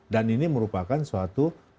dan ini merupakan suatu program